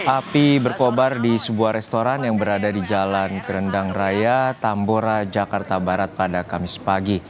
api berkobar di sebuah restoran yang berada di jalan kerendang raya tambora jakarta barat pada kamis pagi